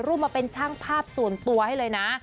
มาเป็นช่างภาพส่วนตัวให้เลยนะ